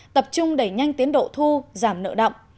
tập trung đẩy nhanh tiến độ thu giảm nợ động